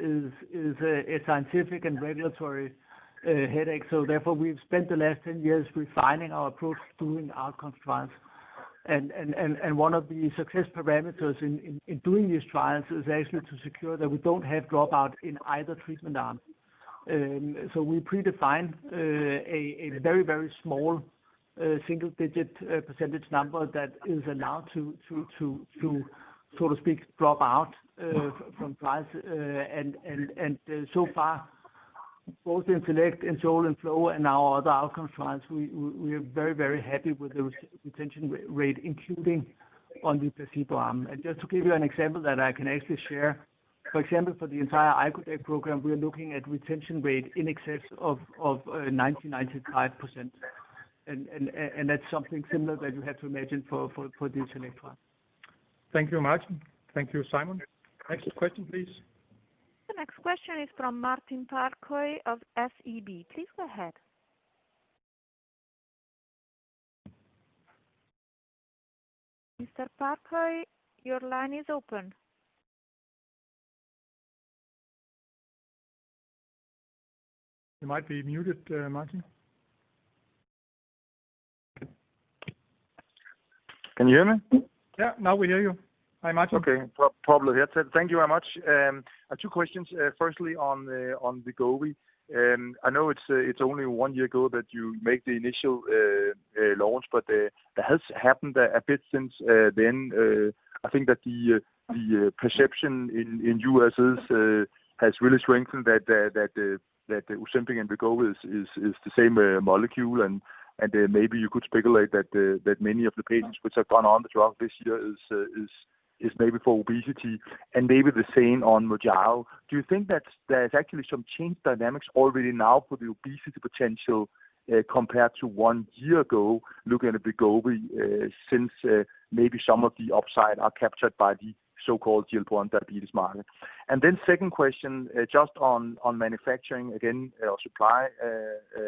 is a scientific and regulatory headache, so therefore, we've spent the last 10 years refining our approach to doing outcome trials. One of the success parameters in doing these trials is actually to secure that we don't have dropout in either treatment arm. We predefine a very small single digit percentage number that is allowed to, so to speak, drop out from trials. So far, both in SELECT and SOUL and FLOW and our other outcome trials, we are very happy with the retention rate, including on the placebo arm. Just to give you an example that I can actually share, for example, for the entire icodec program, we are looking at retention rate in excess of 95%. That's something similar that you have to imagine for the SELECT trial. Thank you, Martin. Thank you, Simon. Next question, please. The next question is from Martin Parkhøi of SEB. Please go ahead. Mr. Parkhøi, your line is open. You might be muted, Martin. Can you hear me? Yeah, now we hear you. Hi, Martin. Okay. Problem here. Thank you very much. I have two questions. Firstly, on Wegovy. I know it's only one year ago that you make the initial launch, but there has happened a bit since then. I think that the perception in U.S. has really strengthened that the Ozempic and Wegovy is the same molecule and maybe you could speculate that many of the patients which have gone on the drug this year is maybe for obesity and maybe the same on Mounjaro. Do you think that there's actually some change dynamics already now for the obesity potential compared to one year ago looking at Wegovy, since maybe some of the upside are captured by the so-called GLP-1 diabetes market? Second question, just on manufacturing again, or supply,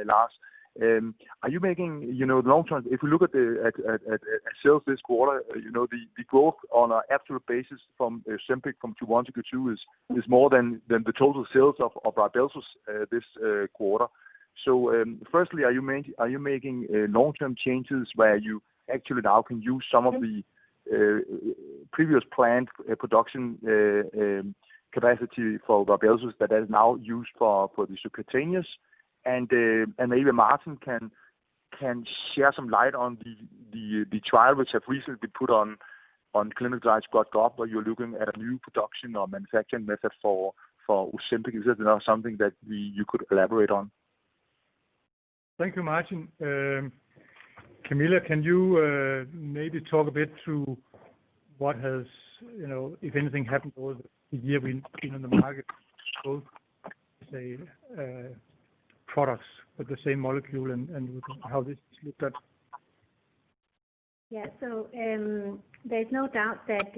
Lars, are you making, you know, long term, if we look at the sales this quarter, you know, the growth on a absolute basis from Ozempic from 2022 is more than the total sales of Rybelsus this quarter. First, are you making long-term changes where you actually now can use some of the Previous planned production capacity for Rybelsus that is now used for the subcutaneous? Maybe Martin can shed some light on the trial which has recently been put on ClinicalTrials.gov, where you're looking at a new production or manufacturing method for Ozempic. Is that now something that you could elaborate on? Thank you, Martin. Camilla, can you maybe talk a bit to what has, you know, if anything, happened over the year we've been on the market, both, say, products with the same molecule and how this is looked at? Yeah. There's no doubt that,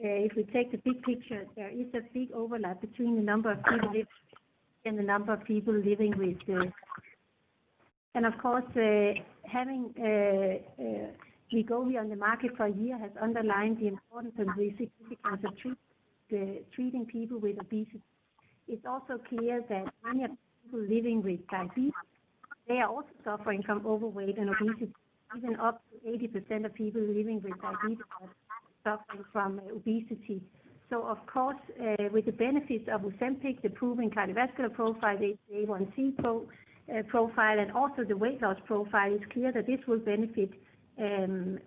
if we take the big picture, there is a big overlap between the number of people living and the number of people living with. Having Wegovy on the market for a year has underlined the importance and the significance of treating people with obesity. It's also clear that many people living with diabetes, they are also suffering from overweight and obesity, even up to 80% of people living with diabetes are suffering from obesity. Of course, with the benefits of Ozempic, the proven cardiovascular profile, the A1C profile, and also the weight loss profile, it's clear that this will benefit,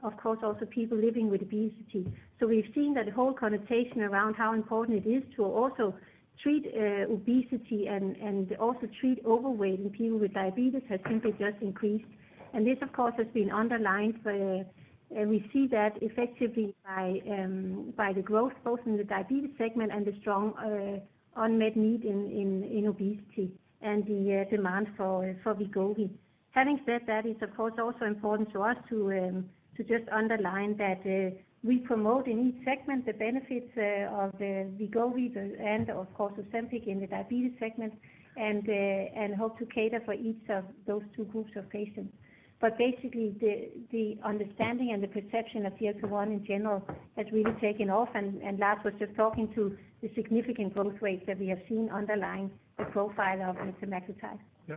of course, also people living with obesity. We've seen that the whole connotation around how important it is to also treat obesity and also treat overweight in people with diabetes has simply just increased. This, of course, has been underlined and we see that effectively by the growth both in the diabetes segment and the strong unmet need in obesity and the demand for Wegovy. Having said that, it's of course also important to us to just underline that we promote in each segment the benefits of the Wegovy and of course Ozempic in the diabetes segment and hope to cater for each of those two groups of patients. Basically, the understanding and the perception of GLP-1 in general has really taken off, and Lars was just talking to the significant growth rates that we have seen underlying the profile of semaglutide. Yeah.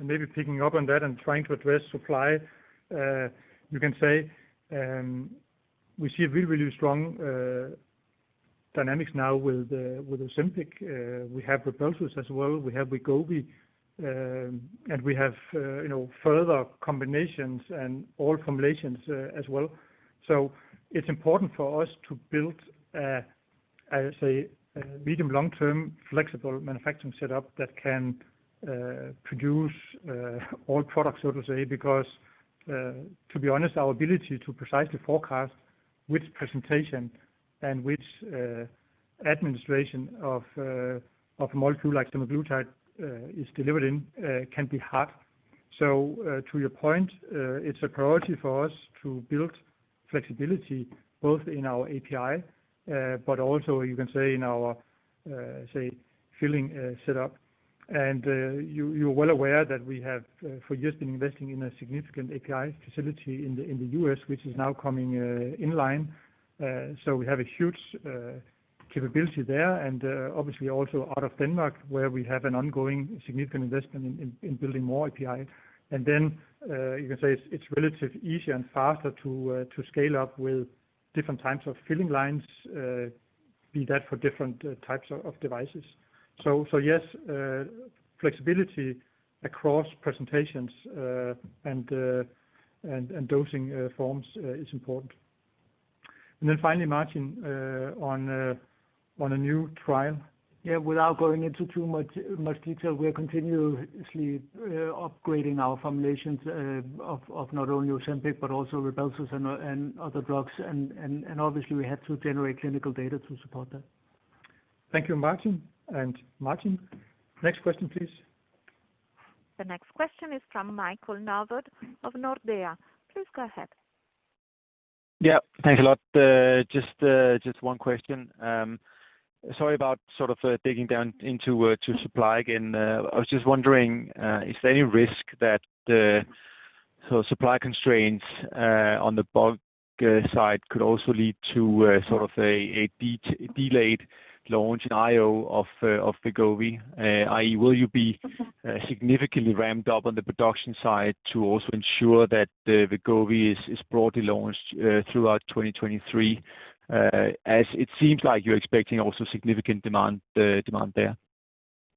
Maybe picking up on that and trying to address supply, you can say, we see a really, really strong dynamics now with Ozempic. We have Rybelsus as well, we have Wegovy, and we have, you know, further combinations and all formulations, as well. It's important for us to build, I say, a medium, long-term flexible manufacturing setup that can produce all products, so to say, because to be honest, our ability to precisely forecast which presentation and which administration of molecule like semaglutide is delivered in can be hard. To your point, it's a priority for us to build flexibility both in our API, but also you can say in our, say, filling setup. You're well aware that we have for years been investing in a significant API facility in the U.S., which is now coming in line. We have a huge capability there and obviously also out of Denmark where we have an ongoing significant investment in building more API. You can say it's relatively easier and faster to scale up with different types of filling lines, be that for different types of devices. Yes, flexibility across presentations and dosing forms is important. Finally, Martin, on a new trial. Yeah. Without going into too much detail, we are continuously upgrading our formulations of not only Ozempic, but also Rybelsus and obviously we have to generate clinical data to support that. Thank you, Martin. Martin, next question, please. The next question is from Michael Novod of Nordea. Please go ahead. Yeah. Thanks a lot. Just one question. Sorry about sort of digging down into the supply again. I was just wondering, is there any risk that the supply constraints on the U.S. side could also lead to sort of a delayed launch in IO of Wegovy? I.e., will you be significantly ramped up on the production side to also ensure that Wegovy is broadly launched throughout 2023? As it seems like you're expecting also significant demand there.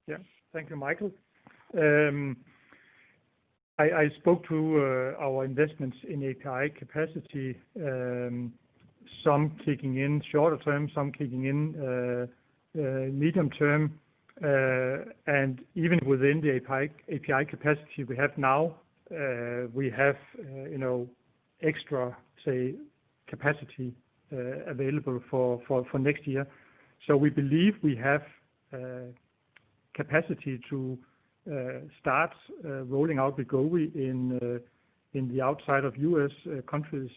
Yeah. Thank you, Michael. I spoke to our investments in API capacity, some kicking in shorter term, some kicking in medium term. Even within the API capacity we have now, we have you know extra say capacity available for next year. We believe we have capacity to start rolling out Wegovy in ex-U.S. countries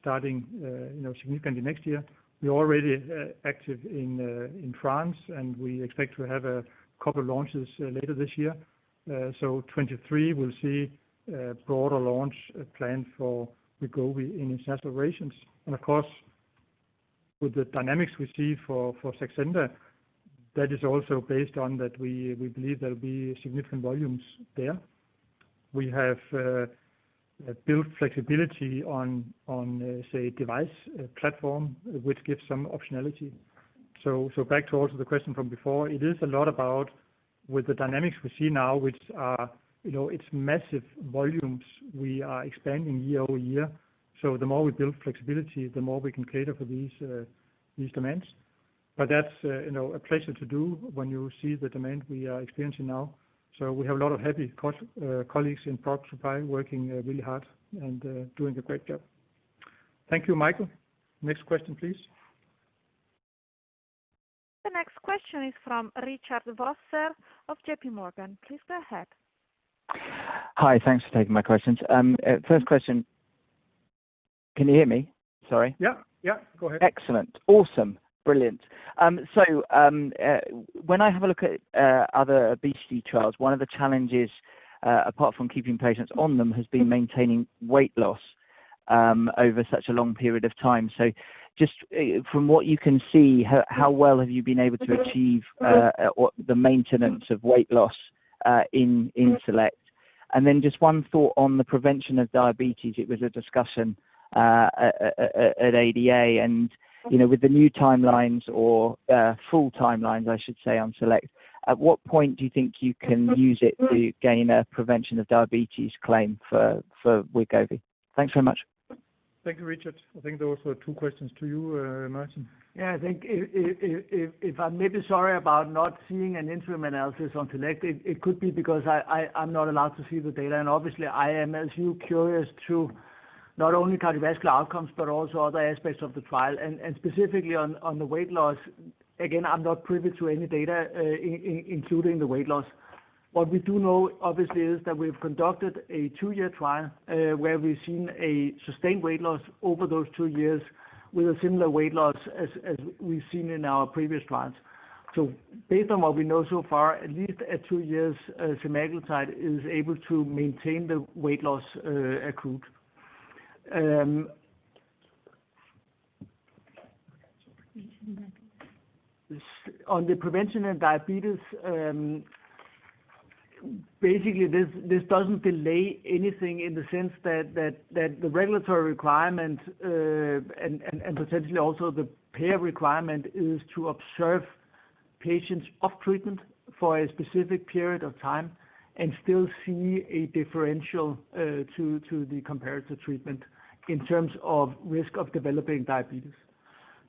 starting you know significantly next year. We're already active in France, and we expect to have a couple launches later this year. 2023 we'll see a broader launch plan for Wegovy in ex-U.S. countries. Of course, with the dynamics we see for Saxenda, that is also based on that we believe there'll be significant volumes there. We have built flexibility on say, device platform, which gives some optionality. Back towards the question from before, it is a lot about with the dynamics we see now, which are, you know, it's massive volumes we are expanding year-over-year. The more we build flexibility, the more we can cater for these demands. That's, you know, a pleasure to do when you see the demand we are experiencing now. We have a lot of happy colleagues in product supply working really hard and doing a great job. Thank you, Michael. Next question, please. The next question is from Richard Vosser of JP Morgan. Please go ahead. Hi. Thanks for taking my questions. First question. Can you hear me? Sorry. Yeah. Yeah, go ahead. Excellent. Awesome. Brilliant. When I have a look at other obesity trials, one of the challenges, apart from keeping patients on them, has been maintaining weight loss over such a long period of time. Just from what you can see, how well have you been able to achieve or the maintenance of weight loss in SELECT? Just one thought on the prevention of diabetes. It was a discussion at ADA, and you know, with the new timelines or full timelines, I should say, on SELECT, at what point do you think you can use it to gain a prevention of diabetes claim for Wegovy? Thanks very much. Thank you, Richard. I think those were two questions to you, Martin. Yeah. I think if I'm maybe sorry about not seeing an interim analysis on SELECT, it could be because I'm not allowed to see the data. Obviously I am, as you, curious to not only cardiovascular outcomes, but also other aspects of the trial. Specifically on the weight loss, again, I'm not privy to any data, including the weight loss. What we do know, obviously, is that we've conducted a 2-year trial, where we've seen a sustained weight loss over those 2 years with a similar weight loss as we've seen in our previous trials. Based on what we know so far, at least at 2 years, semaglutide is able to maintain the weight loss accrued. On the prevention of diabetes, basically this doesn't delay anything in the sense that the regulatory requirement and potentially also the payer requirement is to observe patients off treatment for a specific period of time and still see a differential to the comparative treatment in terms of risk of developing diabetes.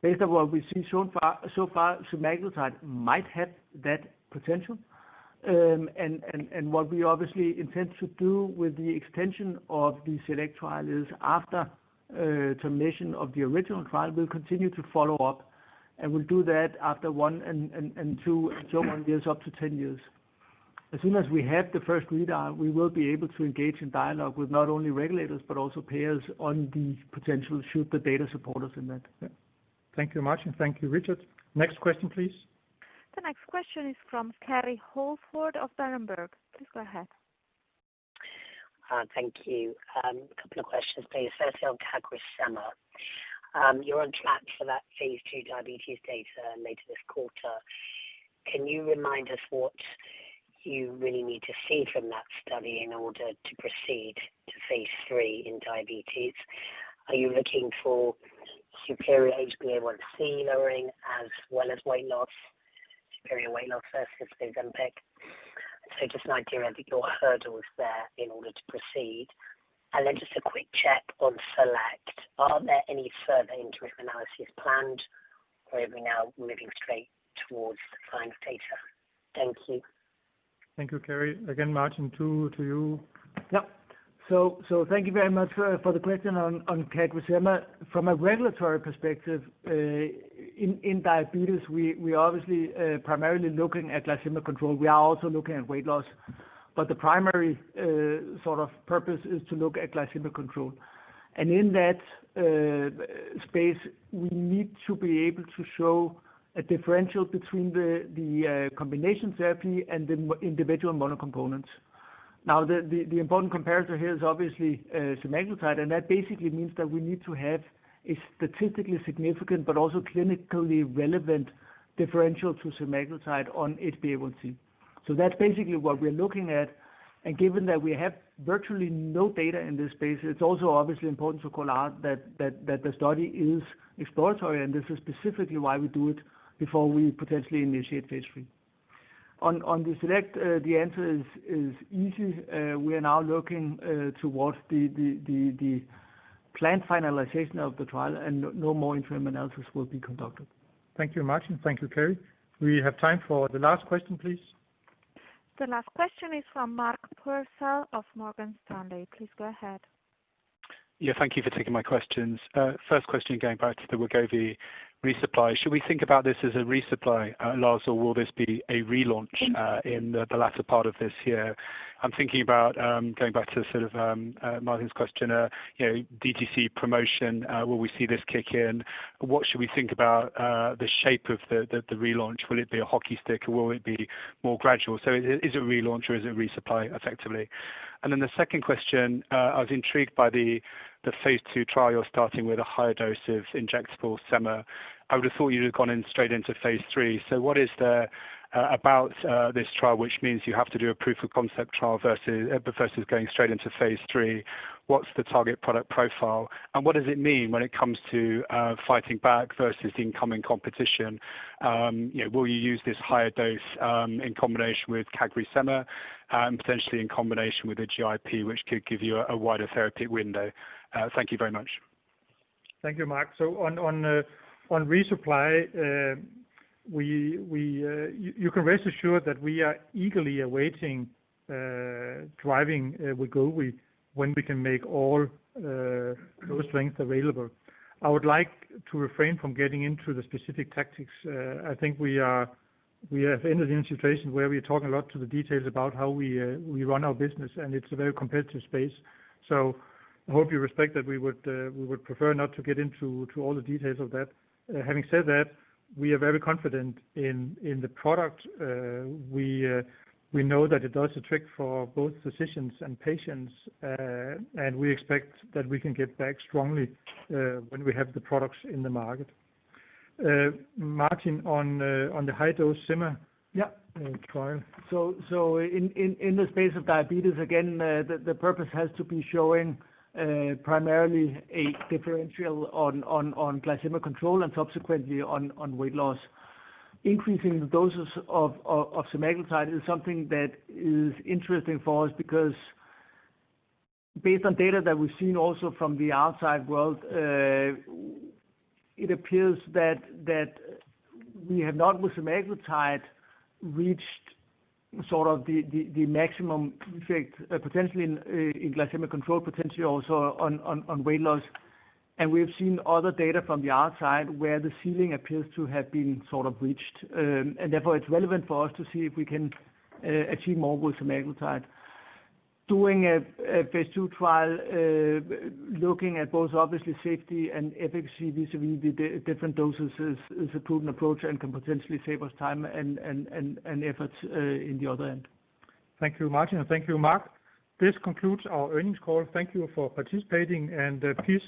Based on what we've seen so far, semaglutide might have that potential. What we obviously intend to do with the extension of the SELECT trial is after termination of the original trial, we'll continue to follow up, and we'll do that after 1 and 2 and so on years, up to 10 years. As soon as we have the first readout, we will be able to engage in dialogue with not only regulators but also payers on the potential should the data support us in that. Thank you, Martin. Thank you, Richard. Next question please. The next question is from Kerry Holford of Berenberg. Please go ahead. Thank you. A couple of questions please. Firstly, on CagriSema. You're on track for that phase 2 diabetes data later this quarter. Can you remind us what you really need to see from that study in order to proceed to phase 3 in diabetes? Are you looking for superior HbA1c lowering as well as weight loss, superior weight loss versus Ozempic? Just an idea of your hurdles there in order to proceed. Just a quick check on SELECT. Are there any further interim analyses planned or are we now moving straight towards the final data? Thank you. Thank you, Kerry. Again, Martin, to you. Yeah. Thank you very much for the question on CagriSema. From a regulatory perspective, in diabetes, we obviously primarily looking at glycemic control. We are also looking at weight loss, but the primary sort of purpose is to look at glycemic control. In that space, we need to be able to show a differential between the combination therapy and the individual monocomponents. Now, the important comparator here is obviously semaglutide, and that basically means that we need to have a statistically significant but also clinically relevant differential to semaglutide on HbA1c. That's basically what we're looking at. Given that we have virtually no data in this space, it's also obviously important to call out that the study is exploratory, and this is specifically why we do it before we potentially initiate phase 3. On the SELECT, the answer is easy. We are now looking towards the planned finalization of the trial and no more interim analysis will be conducted. Thank you, Martin. Thank you, Kerry. We have time for the last question, please. The last question is from Mark Purcell of Morgan Stanley. Please go ahead. Yeah, thank you for taking my questions. First question, going back to the Wegovy resupply. Should we think about this as a resupply, Lars, or will this be a relaunch in the latter part of this year? I'm thinking about going back to sort of Martin's question, you know, DTC promotion, will we see this kick in? What should we think about the shape of the relaunch? Will it be a hockey stick or will it be more gradual? So, is it a relaunch or is it resupply effectively? And then the second question, I was intrigued by the phase two trial. You're starting with a higher dose of injectable sema. I would have thought you'd have gone in straight into phase three. What is there about this trial which means you have to do a proof of concept trial versus going straight into phase 3? What's the target product profile, and what does it mean when it comes to fighting back versus the incoming competition? You know, will you use this higher dose in combination with CagriSema, potentially in combination with the GIP, which could give you a wider therapeutic window? Thank you very much. Thank you, Mark. On resupply, you can rest assured that we are eagerly awaiting driving Wegovy when we can make all those strengths available. I would like to refrain from getting into the specific tactics. I think we have entered a situation where we talk a lot about the details about how we run our business, and it's a very competitive space. I hope you respect that we would prefer not to get into all the details of that. Having said that, we are very confident in the product. We know that it does the trick for both physicians and patients, and we expect that we can get back strongly when we have the products in the market. Martin, on the high-dose sema- Yeah. Trial. In the space of diabetes, again, the purpose has to be showing primarily a differential on glycemic control and subsequently on weight loss. Increasing the doses of semaglutide is something that is interesting for us because based on data that we've seen also from the outside world, it appears that we have not, with semaglutide, reached sort of the maximum effect potentially in glycemic control, potentially also on weight loss. We have seen other data from the outside where the ceiling appears to have been sort of reached. Therefore, it's relevant for us to see if we can achieve more with semaglutide. Doing a phase 2 trial, looking at both obviously safety and efficacy vis-à-vis the different doses, is a proven approach and can potentially save us time and efforts in the other end. Thank you, Martin, and thank you, Mark. This concludes our earnings call. Thank you for participating and, please,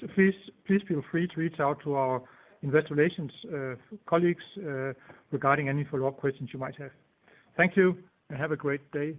feel free to reach out to our investor relations colleagues regarding any follow-up questions you might have. Thank you and have a great day.